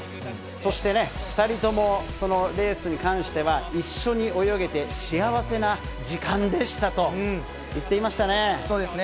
そしてね、２人とも、そのレースに関しては、一緒に泳げて幸せな時間でしたと言っていましたね。